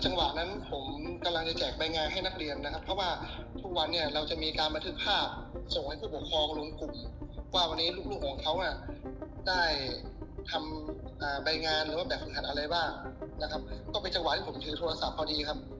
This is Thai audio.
จังหวะนั้นผมกำลังจะแจกใบงานให้นักเรียนนะครับเพราะว่าทุกวันเนี่ยเราจะมีการบันทึกภาพส่งให้ผู้ปกครองลงกลุ่มว่าวันนี้ลูกของเขาได้ทำใบงานหรือว่าแบบสำคัญอะไรบ้างนะครับก็เป็นจังหวะที่ผมถือโทรศัพท์พอดีครับ